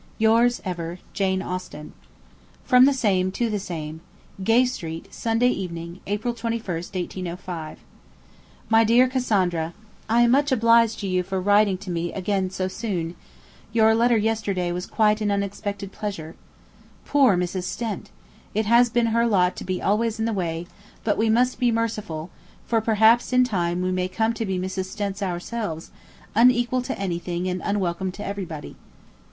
'Yours ever, 'J. A.' From the same to the same. 'Gay St. Sunday Evening, 'April 21 (1805). MY DEAR CASSANDRA, I am much obliged to you for writing to me again so soon; your letter yesterday was quite an unexpected pleasure. Poor Mrs. Stent! it has been her lot to be always in the way; but we must be merciful, for perhaps in time we may come to be Mrs. Stents ourselves, unequal to anything, and unwelcome to everybody